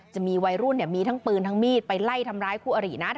จะมีวัยรุ่นมีทั้งปืนทั้งมีดไปไล่ทำร้ายคู่อรินะ